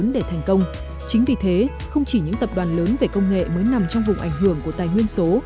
để thành công chính vì thế không chỉ những tập đoàn lớn về công nghệ mới nằm trong vùng ảnh hưởng của tài nguyên số